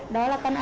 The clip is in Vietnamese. đó là khách xem